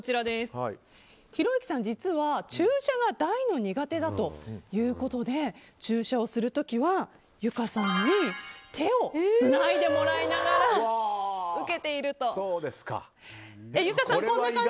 ひろゆきさん、実は注射が大の苦手だということで注射をする時はゆかさんに手をつないでもらいながら受けていると。